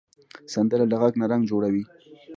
سندره له غږ نه رنګ جوړوي